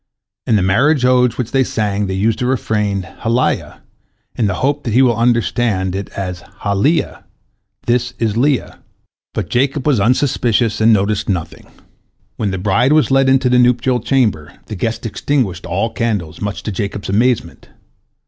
In the marriage ode which they sang they used the refrain "Halia," in the hope that he would understand it as Ha Leah, "This is Leah." But Jacob was unsuspicious and noticed nothing. When the bride was led into the nuptial chamber, the guests extinguished all the candles, much to Jacob's amazement.